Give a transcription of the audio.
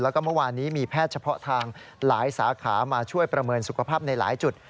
แล้วก็เมื่อวานนี้มีแพทย์เฉพาะทางหลายสาขามาช่วยประเมินสุขภาพในหลายจุด